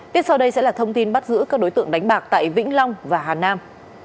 tiếp sau đây sẽ là thông tin bắt giữ các đối tượng đánh bạc tại vĩnh long và hà nam